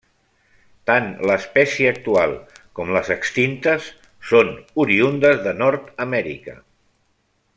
Tant l'espècie actual com les extintes són oriündes de Nord-amèrica.